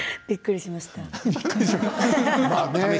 びっくりしました。